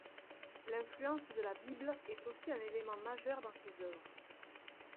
L'influence de la Bible est aussi un élément majeur dans ses œuvres.